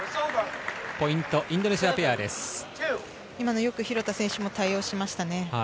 ポイント、インド今の、よく廣田選手も対応しましたね。